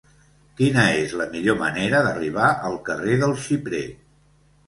Quina és la millor manera d'arribar al carrer del Xiprer?